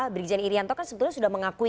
brigjen irianto kan sebetulnya sudah mengakui